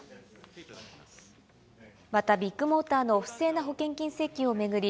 またビッグモーターの不正保険金請求を巡り